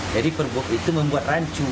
jadi perbuk itu membuat rancu